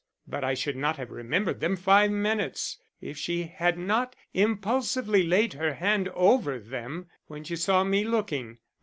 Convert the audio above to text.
But I should not have remembered them five minutes, if she had not impulsively laid her hand over them when she saw me looking.